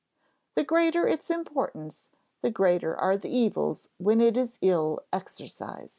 The greater its importance the greater are the evils when it is ill exercised.